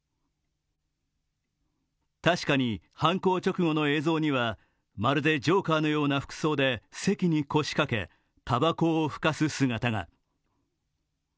確かに犯行直後の映像には、まるでジョーカーのような服装で席に腰掛け、たばこを吹かす姿が。